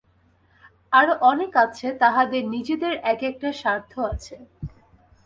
আরও অনেক আছে, তাহাদের নিজেদের এক-একটা স্বার্থ আছে।